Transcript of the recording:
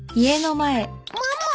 ママ。